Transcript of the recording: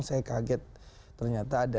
saya kaget ternyata ada